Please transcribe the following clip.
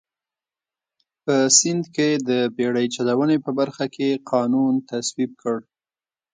په سیند کې د بېړۍ چلونې په برخه کې قانون تصویب کړ.